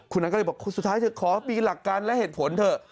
คุณอันก็เลยบอกสุดท้ายเธอขอมีหลักการและเหตุผลเถอะ